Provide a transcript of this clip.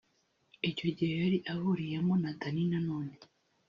icyo gihe yari ahuriyemo na Danny Nanone